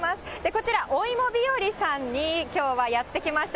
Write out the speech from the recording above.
こちら、おいもびよりさんに、きょうはやって来ました。